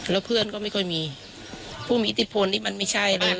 แล้วเพื่อนก็ไม่ค่อยมีผู้มีอิทธิพลนี่มันไม่ใช่นะ